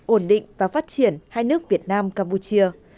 ổn định và phát triển hai nước việt nam campuchia